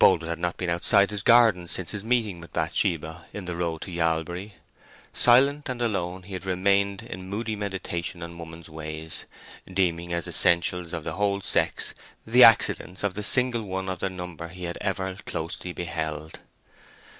Boldwood had not been outside his garden since his meeting with Bathsheba in the road to Yalbury. Silent and alone, he had remained in moody meditation on woman's ways, deeming as essentials of the whole sex the accidents of the single one of their number he had ever closely beheld.